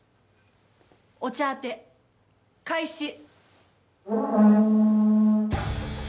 お茶当て開始。